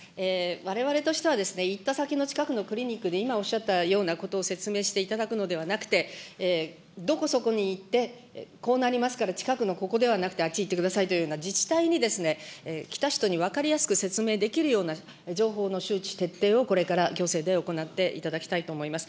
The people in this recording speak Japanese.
われわれとしては、行った先の近くのクリニックで、今おっしゃったような説明していただくのではなくて、どこそこに行ってこうなりますから、近くのここではなくてあっち行ってくださいというような、自治体に、来た人に分かりやすく説明できるような情報の周知、徹底をこれから行政で行っていただきたいと思います。